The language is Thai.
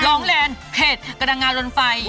ร้อนแรงเผ็ดกระดังงานรนไฟ